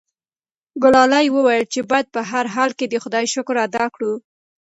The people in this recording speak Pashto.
ګلالۍ وویل چې باید په هر حال کې د خدای شکر ادا کړو.